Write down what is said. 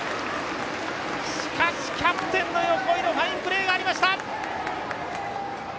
しかしキャプテン横井のファインプレーがありました！